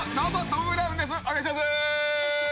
お願いしますー！